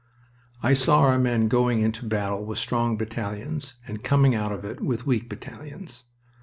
I saw our men going into battle with strong battalions and coming out of it with weak battalions.